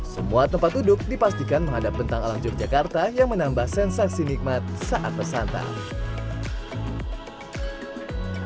semua tempat duduk dipastikan menghadap bentang alam yogyakarta yang menambah sensasi nikmat saat bersantap